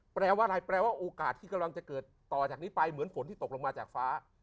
แปลว่าอะไรแปลว่าโอกาสที่กำลังจะเกิดต่อจากนี้ไปเหมือนฝนที่ตกลงมาจากฟ้า